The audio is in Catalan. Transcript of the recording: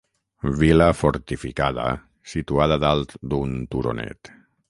Vila fortificada situada dalt d'un turonet.